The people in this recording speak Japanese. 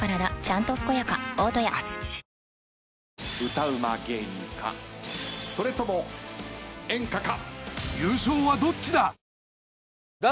歌ウマ芸人かそれとも演歌か。